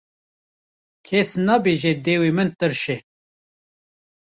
Kes nabêje dewê min tirş e.